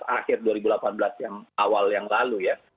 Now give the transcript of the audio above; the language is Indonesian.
dua ribu tujuh belas akhir dua ribu delapan belas yang awal yang lalu ya